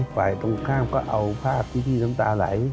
ฝ่ายตรงข้ามก็เอาภาพที่พี่น้ำตาไหล